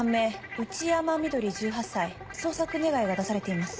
内山碧１８歳捜索願が出されています。